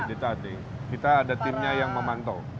ditaati kita ada timnya yang memantau